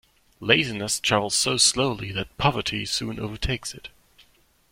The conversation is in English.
Laziness travels so slowly that poverty soon overtakes it.